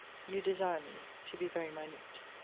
You desire me to be very minute.